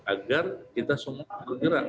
agar kita semua bergerak